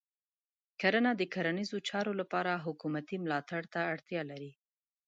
کرنه د کرنیزو چارو لپاره حکومتې ملاتړ ته اړتیا لري.